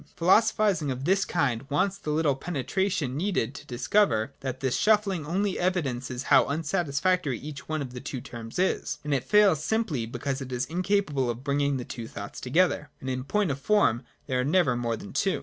Philosophising of this kind wants the little penetration needed to dis cover, that this shuffling only evidences how unsatisfac tory each one of the two terms is. And it fails simply because it is incapable of bringing two thoughts together. (And in point of form there are never more than two.)